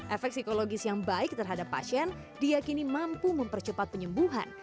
efek psikologis yang baik terhadap pasien diakini mampu mempercepat penyembuhan